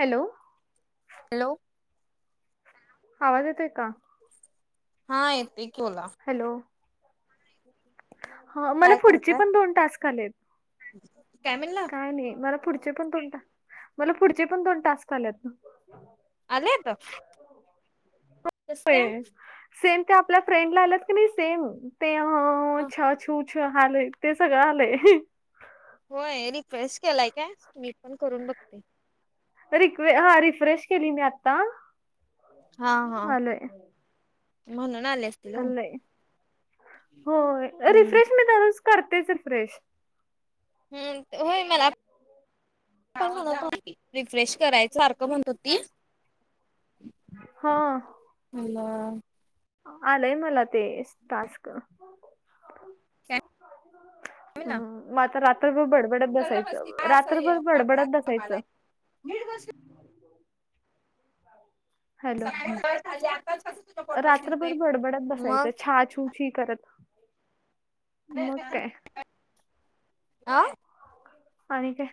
Hello hello आवाज येते का हा येते की बोला हॅलो ह मला पुढचे पण दोन टास्क आलेत कॅमिनला काय नाही मला पुढचे पण दोन मला पुढचे पण दोन टास्क आलेत ना आलेयता कस का होय सेम ते आपल्या फ्रेंडला आलात की नाही सेम ते छछू आलय ते सगळं आलंय होय रिक्वेस्ट केलाय काय मी पण करून बघते र्वे हा रिफ्रेश केली मी आता हा हा म्हणून आले असतील हो हल्लय हो हम्म रिफ्रेशमेंट करतेच रिफ्रेश हम् होय मला रिफ्रेश करायच सारखं म्हणतो ती हा ह आलंय मला ते टास्क काय म्हणला हम् म आताात रात्रभर बडबडत सरळ बस की नसायचं काय रात्रभर बडबडत नसायचं मिळो हॅलो आता रात्रभर बडबडात बसायचं छाछू छ करत मग काय आं आणि काय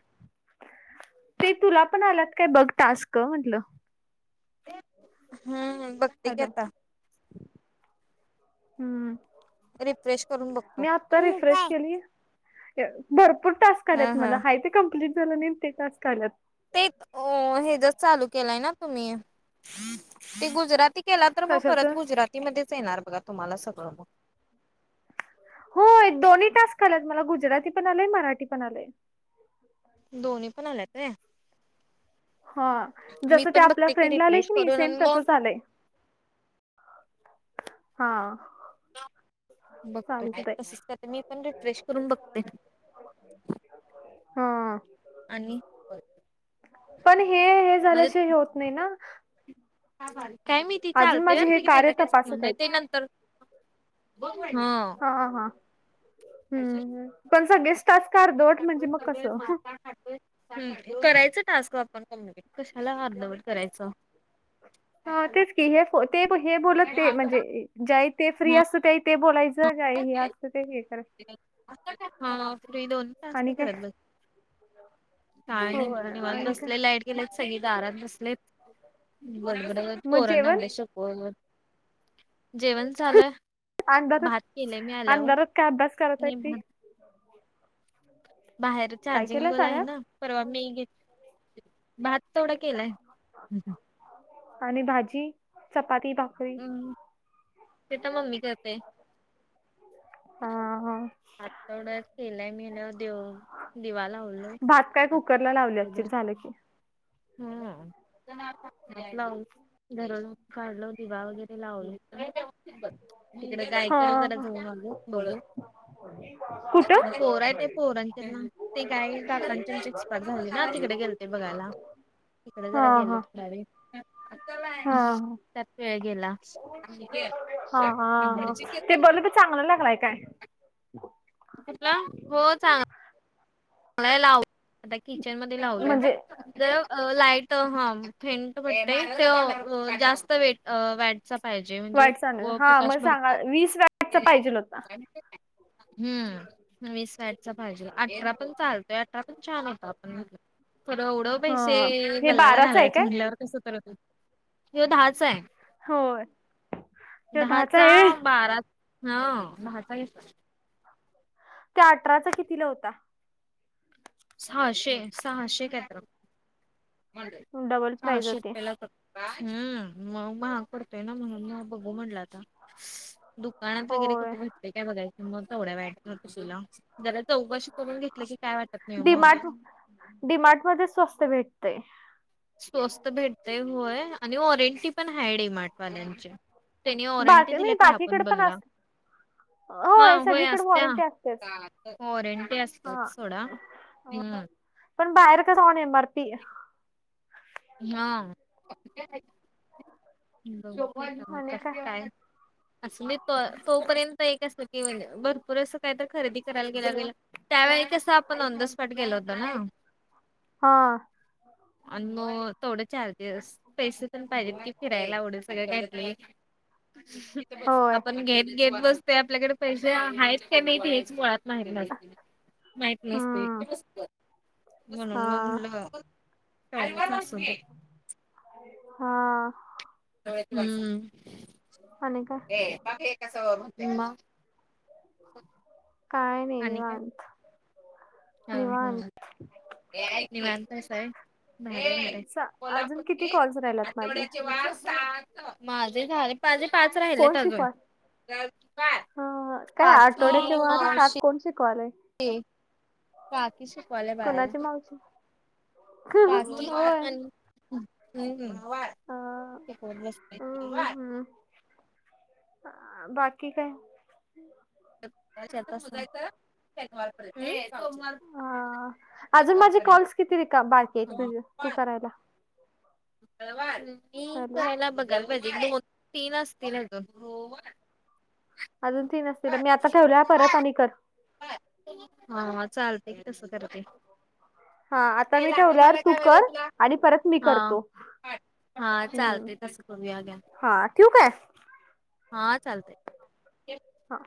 ते तुला पण आलात काय बघता अस का म्हंटलं हम्म ब हॅलो हम्म रिफ्रेश करून बघतो मी आत्ता रिफ्रेश केलीि भरपूर टास्क हा आल्यात हा मला हाय ते कमप्लीट झालं नाही ते टास्क आलेत ते अ हे ज चालू केलंय ना तुम्ही ते गुजराती केला तर मग कशाच परत गुजराती मध्येच येणार बघा तुम्हाला सगळं मग होय दोन्ही टास्क आलेत मला गुजराती पण आलंय मराठी पण आलंय दोन्ही पण आल्याते हा मी जसं ते पण आपल्या बघते की फ्रेंडला आले रिफ्रेश क नाही करून सेम आणि मग तसंच आलंय हा ह बघतो चालतंय तसच मी पण रिफ्रेश करून बघते हा आणि पण हे हे झाल्या मध्ये शिवाय होत नाही ना काय मी ती अजून चालते माझे हे की कार्य त्याचा काही घे तपासत नाही आहेत ते नंतर हा हा हा हम् पणचा गेस्टच कारधोट म्हणजे मग कसं करायचं टास्क आपण कशाला अर्धवर करायचं ह तेच की हे ते हे बोलत ते म्हणजे ज ते फ्री असत ते ते बोलायचं ज काय ह हस्त ते हे कर हा फ्री दोन्ही टास्क आणि काय करत बस काय नाही म होय निवाला आणि काय बसले लाईट गेलेत सगळे दारात बसले. बरोबर मग जेवण पोरनाे. हो जेवण झालंय. अंधरच अंधरच काय अभ्यास करत आणि ती. भात बाहेर काय चार्जिंग केलं बला आहे साड्या ना परवा मी घेत. भात तेथोडा केलाय. आणि भाजी चपाती भाकरी. हम्म ते तर मम्मी करते. हम ह. आातवड्यात केलं आहे मी न देव दिवा लावलो. न ककी. हम्म. लावून घरून काढलो दिवा वगैरे लावल. त कायकण हा हा. कत होऊग बळ. कुठं पोर आहे ते पोरांच्या ना ते काय काकांच्याची एक्सप झाली ना तिकडे गेल. ते बघायला. तिकडे हा जरा गेल हा थोड वेळ हा हा त्यात वेळ गेला. हा हा ह ते बोल तर चांगलं लागलाय काय. तलं हो चांग. म लाव आता किचन मध्ये लावलं. म्हणजे जर लाईट हा फेंट म्हटत ते जास्त वेट वटचा. पाहिजे म्हणजे वाईट चालू व हा प्रकाश मग सांगा भरता. वीस वॅटचा पाहिजेल होता हम्म वीस वईटचा भाजू अठरा पण. चालतोय आता पण छान होता आपण म्हट तर उडव पैसे हा हे गल्लाला बाराचा आहे घालायचं काय म्हटल्यावर. तस करचं हय दहाच आहे. होय. हे दहाचा आहे बारा हा दहाचा घेतलाय. त्या अठराचा कितीला होता. सहाशे सहाशे काय तर डबल प्राईज सहाशे होती रुपययाला होता. हम्म मग महाग पडतोय ना मग बघू म्हटलं आता. दुकानात वगैरे कुठ होय भेटते काय बघायच मग तेवढ्या वाट हो तुला जरा चौकशी करून घेतलं की काय वाटत नाय म. डिमार्ट मध्येचं स्वस्त भेटतय. स्वस्त भेटते होय आणि वॉरेंटी पण हाय डीमार्टवाल्यांची. त्यानी वॉरंटी बाकी नाही दिल्या काय हया पण बाकीकडे बल्ला. असत हा होय सगळीकडे असत्या वॉरंटी असतेच वॉरंटी असत्यात हा सोडा. हम्म पण बाहेर कस होणेयन भरती हा बघू की आता मग कस काय. असं त तोपर्यंत एक असत की म्हणजे भरपूर असं काय तर खरेदी करायला गेल्या गेल्या त्यावेळी कस आपण ऑन द स्पॉट गेलो होतो ना. हा. आणि मग तेवडं चार्जेस पैसे पण पाहिजेत की फिरायला एवढं सगळं घ्यातलेय. होय आपण घेत घेत बसतोय आपल्याकडे पैसे आहेतच का नाही हेच मुळात तयारी नसते माहित नसते हम्म म्हणून मांग हा म्हणलं तेवढाच असणं हा. हम्म आणि काय. हे बाकी कस म्हणते म काय नाही निवांत हं निवांत हं निवांत असाय [unintelligible] चा- कोल्हापूर अजून किती ची कॉल्स राहिलात माझे आठवड्याचे वार सात माझे झाले माझे पाच राहिलेत कोण अजून शिकवाल अ, काय काकी आठवड्याचे वार सात मावशी कोण शिकवालय हे काकी शिकवायली बाळाला कोणाची मावशी काकी होय अ, आणि हं कोणं नसतंय. हा बाकी काय त्याच्यात असा शनिवारपर्यंत हे सोमवार अ अजून माझे कॉल्स किती बाकी आहेत तुझ तू पर्यंत. करायला. मी हॅलो कराला बघ तीन असतील अजून अजून तीन असतील मी आता ठेवल्यावर परत आणि कर हा चालते तस करते. हा आता मी ठेवल्यावर तू कर आणि परत मी हा करतो. हा हम्म. चालतय तस करू या आग्या हा ठेवू काय हा चालतय हा